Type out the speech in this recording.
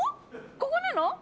ここなの？